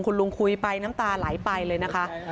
คุณลุงคุยไปน้ำตาไหลไปเลยนะคะ